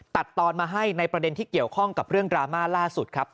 ตัดตอนมาให้ในประเด็นที่เกี่ยวข้องกับเรื่องดราม่าล่าสุดครับ